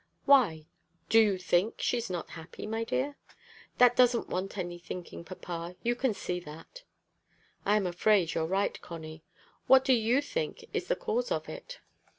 "Why? Do you think she's not happy, my dear?" "That doesn't want any thinking, papa. You can see that." "I am afraid you're right, Connie. What do you think is the cause of it?"